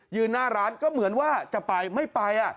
หน้าร้านก็เหมือนว่าจะไปไม่ไป